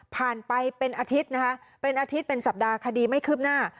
ไปเป็นอาทิตย์นะคะเป็นอาทิตย์เป็นสัปดาห์คดีไม่คืบหน้า